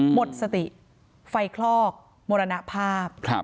หมดสติไฟคลอกมรณภาพ